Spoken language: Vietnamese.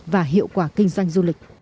và hiệu quả kinh doanh